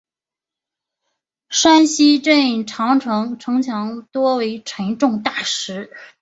山西镇长城城墙多为沉重大石。